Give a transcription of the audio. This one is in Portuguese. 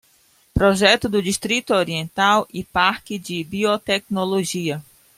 Projeto do Distrito Oriental e Parque de Biotecnologia